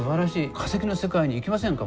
化石の世界に行きませんか？